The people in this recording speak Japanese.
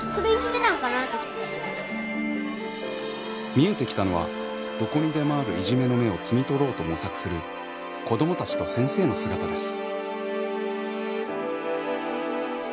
見えてきたのはどこにでもあるいじめの芽を摘み取ろうと模索する子どもたちと先生の姿です。